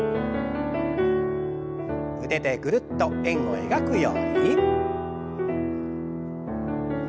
腕でぐるっと円を描くように。